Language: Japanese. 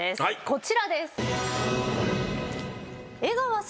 こちらです。